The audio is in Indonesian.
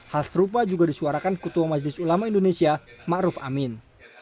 hal serupa juga disuarakan ketua majlis ulama indonesia ma'ruf amin